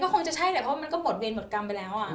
คงจะใช่แหละเพราะมันก็หมดเวรหมดกรรมไปแล้ว